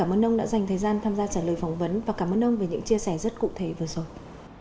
và vi mô hơn đó là chính quyền cơ sở đã có lực lượng này đảm bảo cho an ninh trật tự bình yên cho cử tri và nhân dân